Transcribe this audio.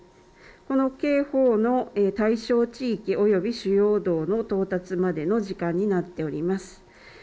この警報の対象地域および主要動の到達までの時間になっております。